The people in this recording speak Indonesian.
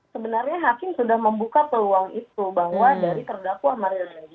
sebenarnya hakim sudah membuka peluang itu bahwa dari terdakwa mario dandi